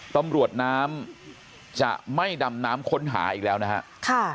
ตำรวจน้ำจะไม่ดำน้ำค้นหาอีกแล้วนะฮะ